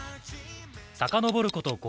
さかのぼること